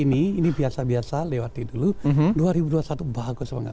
dua ribu dua puluh ini ini biasa biasa lewati dulu dua ribu dua puluh satu bagus banget